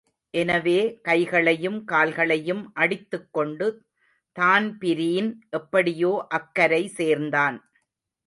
எனவே கைகளையும் கால்களையும் அடித்துக் கொண்டு தான்பிரீன் எப்படியோ அக்கரைசேர்ந்தான்.